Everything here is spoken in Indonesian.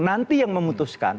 nanti yang memutuskan